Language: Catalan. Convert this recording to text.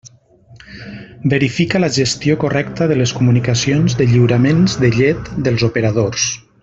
Verifica la gestió correcta de les comunicacions de lliuraments de llet dels operadors.